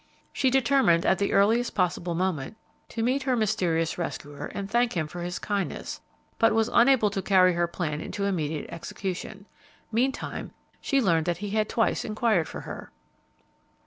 She determined, at the earliest possible moment, to meet her mysterious rescuer and thank him for his kindness, but was unable to carry her plan into immediate execution. Meantime, she learned that he had twice inquired for her.